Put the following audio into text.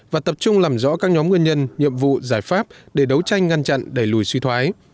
và tập trung làm rõ các nhóm nguyên nhân nhiệm vụ giải pháp để đấu tranh ngăn chặn đẩy lùi suy thoái